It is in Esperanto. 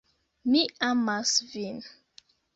Mi amas vin